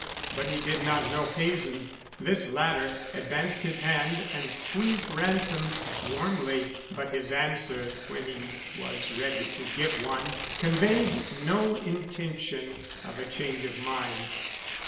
But he did not know Hazen. This latter advanced his hand and squeezed Ransom's warmly, but his answer, when he was ready to give one, conveyed no intention of a change of mind.